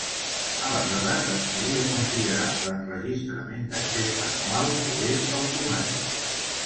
Aleshores es podria considerar l'enregistrament d’accés manual o bé automàtic.